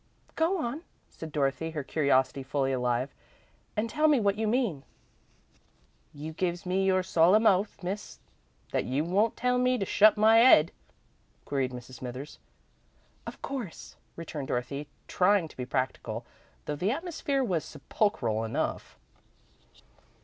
"Go on," said Dorothy, her curiosity fully alive, "and tell me what you mean." "You gives me your solemn oath, Miss, that you won't tell me to shut my 'ead?" queried Mrs. Smithers. "Of course," returned Dorothy, trying to be practical, though the atmosphere was sepulchral enough.